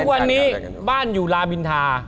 ทุกวันนี้บ้านอยู่ลาบินทา